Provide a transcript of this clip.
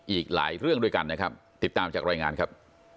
อีกหลายเรื่องด้วยกันนะครับติดตามจากรายงานครับ